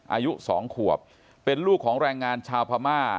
อายุ๒ขวบเป็นลูกของแรงงานชาวพม่า